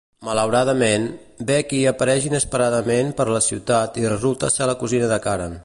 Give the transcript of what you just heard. Malauradament, Becky apareix inesperadament per la ciutat i resulta ser la cosina de Karen.